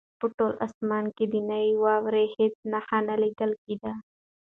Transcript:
په ټول اسمان کې د نوې واورې هېڅ نښه نه لیدل کېده.